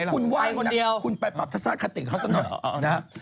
คุณว่ายนะคุณไปปรับทัศนคติเขาสักหน่อยนะครับ